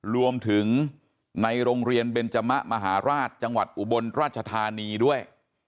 รวมถึงในโรงเรียนเบนจมะมหาราชจังหวัดอุบลราชธานีด้วย